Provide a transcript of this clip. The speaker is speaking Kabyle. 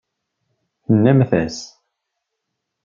Tennamt-as.